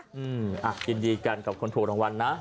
อืมอ่ะยินดีกันกับคนถูกรางวัลนะ